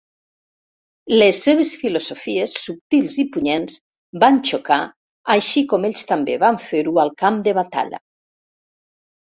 Les seves filosofies, subtils i punyents, van xocar així com ells també van fer-ho al camp de batalla.